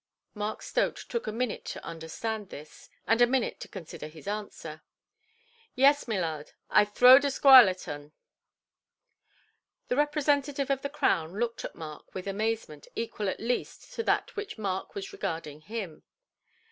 Mark Stote took a minute to understand this, and a minute to consider his answer. "Yees, my lard, I throwed a squoyle at 'un". The representative of the Crown looked at Mark with amazement equal at least to that with which Mark was regarding him.